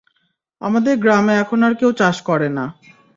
আমাদের গ্রামে এখন আর কেউ চাষ করে না।